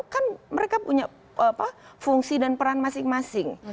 kan mereka punya fungsi dan peran masing masing